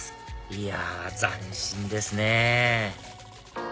いや斬新ですねぇ